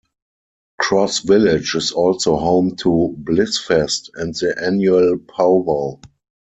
Cross Village is also home to Blissfest and the annual pow wow.